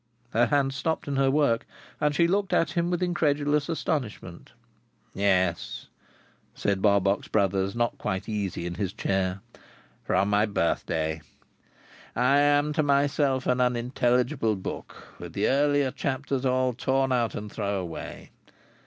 Her hands stopped in her work, and she looked at him with incredulous astonishment. "Yes," said Barbox Brothers, not quite easy in his chair, "from my birthday. I am, to myself, an unintelligible book with the earlier chapters all torn out, and thrown away.